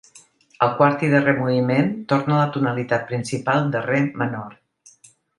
El quart i darrer moviment torna a la tonalitat principal de re menor.